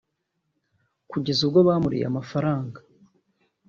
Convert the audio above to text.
kugeza ubwo bamuriye amafaranga